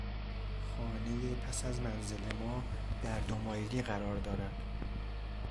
خانهی پس از منزل ما، در دو مایلی قرار دارد.